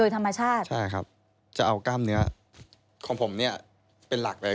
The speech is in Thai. ธรรมชาติใช่ครับจะเอากล้ามเนื้อของผมเนี่ยเป็นหลักเลย